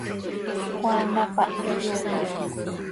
Juan hapáh quih yoofp.